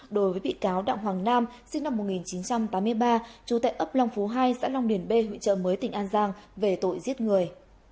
đối với bị cáo đặng hoàng nam sinh năm một nghìn chín trăm tám mươi ba trú tại ấp long phú hai xã long điền b huyện chợ mới tỉnh an giang về tội giết người